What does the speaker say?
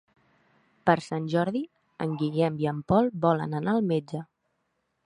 Per Sant Jordi en Guillem i en Pol volen anar al metge.